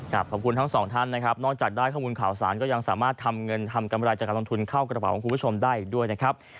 ขอบคุณทั้งสองท่านนะครับนอกจากได้ข้อมูลข่าวสารก็ยังสามารถทำเงินทำกำไรจากการลงทุนเข้ากระเป๋าของคุณผู้ชมได้อีกด้วยนะครับ